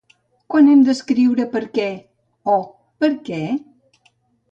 Quan hem d'escriure perquè o per què?